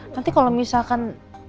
nanti kalau misalkan